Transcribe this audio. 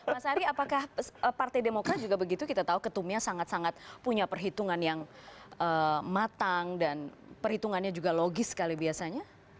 mas ari apakah partai demokrat juga begitu kita tahu ketumnya sangat sangat punya perhitungan yang matang dan perhitungannya juga logis sekali biasanya